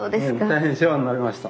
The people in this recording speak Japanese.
大変世話になりました。